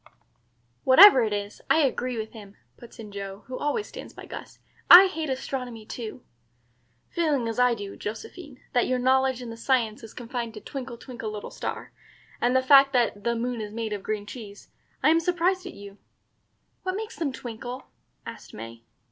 "Whatever it is, I agree with him," puts in Joe, who always stands by Gus. "I hate astronomy too." "Feeling as I do, Josephine, that your knowledge in the science is confined to 'Twinkle, twinkle, little star,' and the fact that 'the moon is made of green cheese,' I am surprised at you." "What makes them twinkle?" asked May.